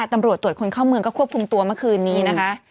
ตำรวจตรวจคนเข้าเมืองก็ควบคุมตัวเมื่อคืนนี้นะคะ